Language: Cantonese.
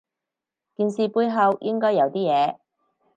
件事背後應該有啲嘢